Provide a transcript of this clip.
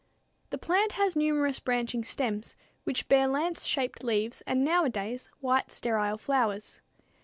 _ The plant has numerous branching stems, which bear lance shaped leaves and nowadays white, sterile flowers.